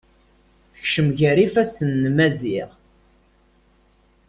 Tekcem gar ifasen n Maziɣ.